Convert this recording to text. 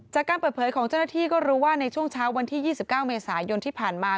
จากการเปิดเผยของเจ้าหน้าที่ก็รู้ว่าในช่วงเช้าวันที่๒๙เมษายนที่ผ่านมา